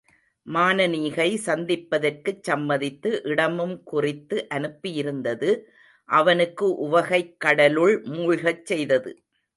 மானனீகை சந்திப்பதற்குச் சம்மதித்து, இடமும் குறித்து அனுப்பியிருந்தது அவனை உவகைக் கடலுள் மூழ்கச் செய்தது.